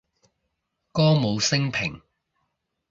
歌舞昇平